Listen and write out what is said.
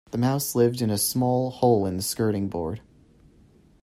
The mouse lived in a small hole in the skirting board